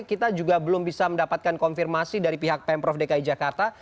kita juga belum bisa mendapatkan konfirmasi dari pihak pemprov dki jakarta